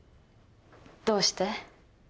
どうして？